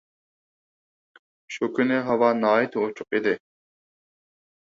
شۇ كۈنى ھاۋا ناھايىتى ئوچۇق ئىدى.